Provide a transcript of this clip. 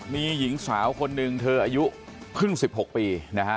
มีหญิงสาวคนนึงเธออายุ๕๑๖ปีนะคะ